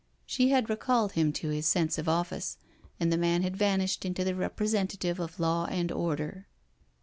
She had recalled him to his sense of office, and the man had vanished into the Representative of law and order.